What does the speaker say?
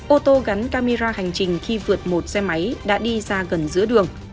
ô tô gắn camera hành trình khi vượt một xe máy đã đi ra gần giữa đường